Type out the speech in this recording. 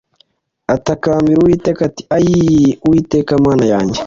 atakambira Uwiteka ati “Ayii, Uwiteka Mana yanjye!